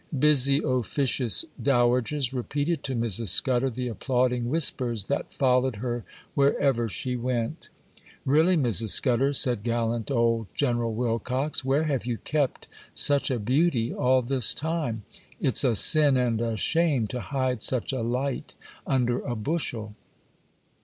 Busy, officious dowagers repeated to Mrs. Scudder the applauding whispers that followed her wherever she went. 'Really, Mrs. Scudder,' said gallant old General Wilcox, 'where have you kept such a beauty all this time? It's a sin and a shame to hide such a light under a bushel.